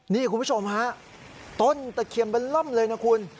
นี่คุณผู้ชมฮะต้นตะเคียนเบล่มเลยนะคุณ